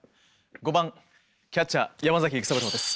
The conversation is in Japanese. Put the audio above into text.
５番キャッチャー山崎育三郎です。